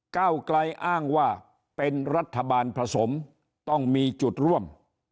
เก้าไกลอ้างว่าเป็นรัฐบาลผสมต้องมีจุดร่วม